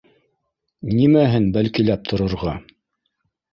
— Нимәһен бәлкиләп торорға